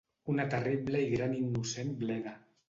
Una terrible i gran innocent bleda.